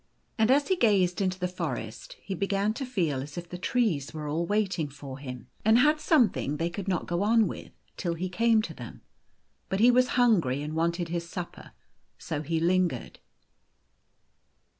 And as he gazed into the forest he began to feel as if the trees were all waiting for him, and had O ' something they could not go on with till he came to them. But he was hungry, and wanted his supper. 80 he lino ered.